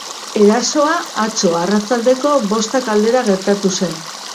Erasoa, atzo, arratsaldeko bostak aldera gertatu zen.